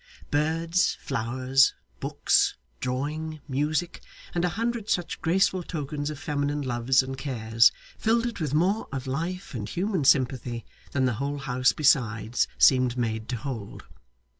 Birds, flowers, books, drawing, music, and a hundred such graceful tokens of feminine loves and cares, filled it with more of life and human sympathy than the whole house besides seemed made to hold.